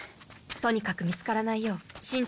とにかく見つからないよう慎重に隠れて。